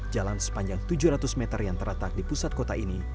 jalan sepanjang tujuh ratus meter yang terletak di pusat kota ini